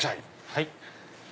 はい。